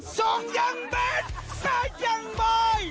ส่องยังแบดตายจังบ่อย